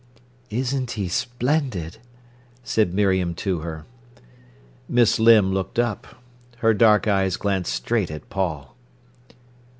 "Isn't he splendid!" said Miriam to her. Miss Limb looked up. Her dark eyes glanced straight at Paul.